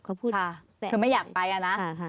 คือไม่อยากไปอะนะ